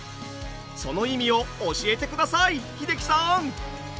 その意味を教えてください英樹さん。